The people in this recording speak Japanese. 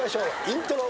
イントロ。